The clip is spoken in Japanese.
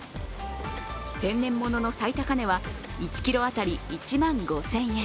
天然ものの最高値は１ｋｇ当たり１万５０００円。